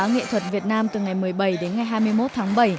nghệ thuật việt nam từ ngày một mươi bảy đến ngày hai mươi một tháng bảy